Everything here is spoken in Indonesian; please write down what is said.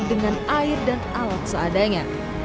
dengan air dan alat seadanya